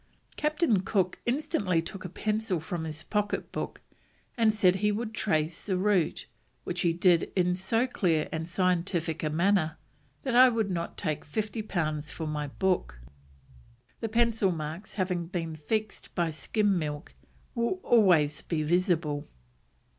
"Captain Cook instantly took a pencil from his pocket book and said he would trace the route; which he did in so clear and scientific a manner that I would not take fifty pounds for my book. The pencil marks, having been fixed by skim milk, will always be visible."